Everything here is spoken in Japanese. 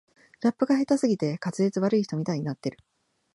ラップが下手すぎて滑舌悪い人みたいになってる